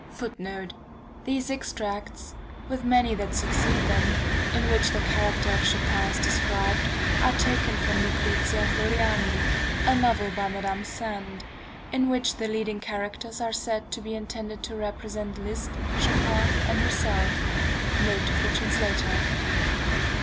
[Footnote: These extracts, with many that succeed them, in which the character of Chopin is described, are taken from Lucrezia Floriani, a novel by Madame Sand, in which the leading characters are said to be intended to represent Liszt, Chopin, and herself. Note of the Translator.